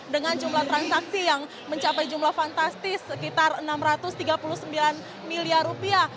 dengan jumlah transaksi yang mencapai jumlah fantastis sekitar enam ratus tiga puluh sembilan miliar rupiah